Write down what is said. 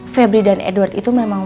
febri dan edward itu memang